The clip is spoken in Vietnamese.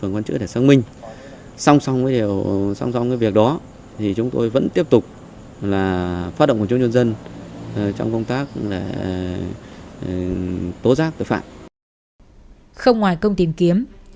không ngoài công tìm kiếm